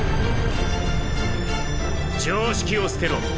常識を捨てろ。